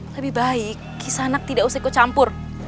lebih baik kisanak tidak usah kau campur